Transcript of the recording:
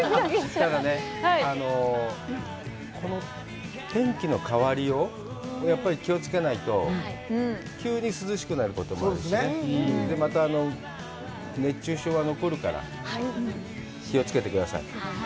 この天気の変わりよう、やっぱり気をつけないと、急に涼しくなることもあるしね、また、熱中症は残るから、気をつけてください。